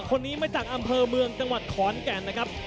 คนนี้มาจากอำเภอเมืองจังหวัดขอนแก่นนะครับ